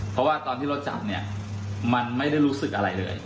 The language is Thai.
เพราะว่าตอนที่รถจับเนี่ยมันไม่ได้รู้สึกอะไรเลย